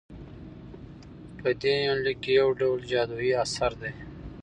په دې يونليک کې يوډول جادويي اثر دى